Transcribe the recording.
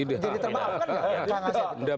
jadi terbawah kan ya